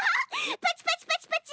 パチパチパチパチ！